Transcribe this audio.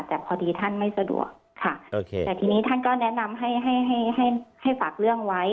แต่พอดีท่านไม่สะดวกค่ะโอเคแต่ทีนี้ท่านก็แนะนำให้ให้ฝากเรื่องไว้